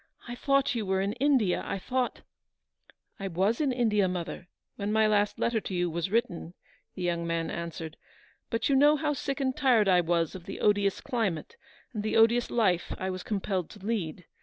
I thought you were in India. I thought —"" I was in India, mother, when my last letter to you was written," the young man answered; " but you know how sick and tired I was of the 286 odious climate, and the odious life I was com pelled to lead.